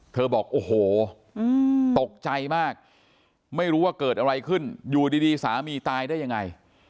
บอกโอ้โหตกใจมากไม่รู้ว่าเกิดอะไรขึ้นอยู่ดีสามีตายได้ยังไง